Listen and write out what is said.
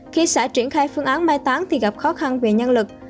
khi xã triển khai phương án mai tán thì gặp khó khăn về nhân lực